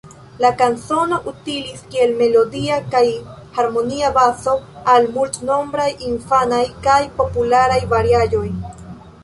La kanzono utilis kiel melodia kaj harmonia bazo al multnombraj infanaj kaj popularaj variaĵoj.